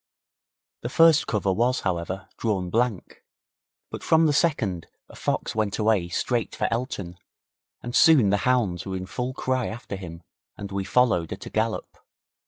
The first cover was, however, drawn blank, but from the second a fox went away straight for Elton, and soon the hounds were in full cry after him and we followed at a gallop.